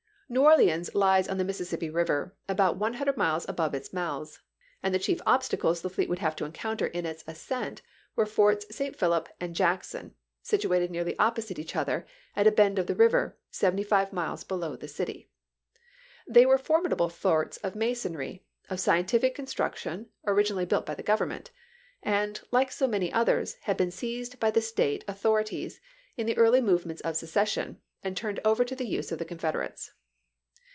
Chap. XV. Welles, in " Galaxy," Nov., 1871, p. 677. 254 ABEAHAM LINCOLN CHAP. XV. New Orleans lies on the Mississippi River, about one liuudi'ed miles above its months ; and the chief obstacles the fleet would have to encounter in its ascent were Forts St. Philip and Jackson, situated nearly opposite each other at a bend of the river, seventy five miles below the city. They were for midable forts of masonry, of scientific construc tion, originally built by the Government ; and, like so many others, had been seized by the State au thorities in the early movements of secession, and turned over to the use of the Confederates.